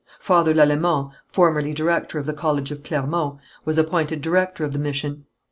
Father Lalemant, formerly director of the college of Clermont, was appointed director of the mission.